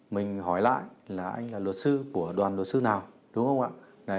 mình hỏi lại là anh là luật sư của đoàn luật sư nào đúng không ạ